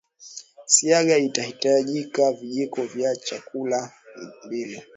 siagi itahitajika vijiko vya chakula mbili